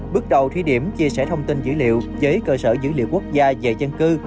bước đầu thí điểm chia sẻ thông tin dữ liệu với cơ sở dữ liệu quốc gia về dân cư